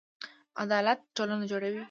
عدالت ټولنه جوړوي